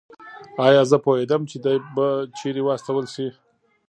ایا زه پوهېدم چې دی به چېرې واستول شي؟